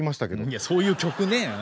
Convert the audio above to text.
いやそういう曲ね。